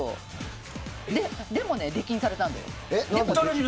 でも、出禁にされたんですよ。